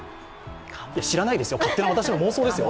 知らないですよ、私の勝手な妄想ですよ。